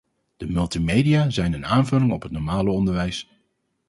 De multimedia zijn een aanvulling op het normale onderwijs.